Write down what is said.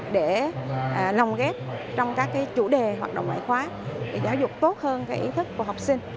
để lòng ghép trong các chủ đề hoạt động ngoại khóa để giáo dục tốt hơn ý thức của học sinh